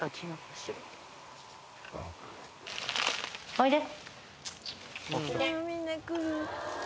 おいで。